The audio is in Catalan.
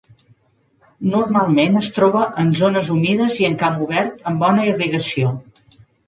Normalment es troba en zones humides i en camp obert amb bona irrigació.